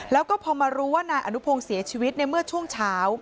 แล้วก็พอมารู้ว่านายอนุพงศ์เสียชีวิตในเมื่อช่วงเช้า